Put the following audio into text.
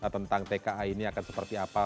tentang tka ini akan seperti apa